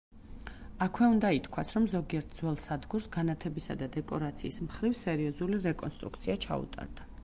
აქვე უნდა ითქვას, რომ ზოგიერთ ძველ სადგურს განათებისა და დეკორაციის მხრივ სერიოზული რეკონსტრუქცია ჩაუტარდა.